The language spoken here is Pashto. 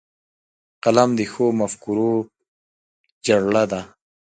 قلم د ښو مفکورو جرړه ده